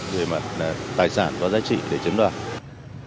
về mặt tài sản có giá trị để chiếm đoạt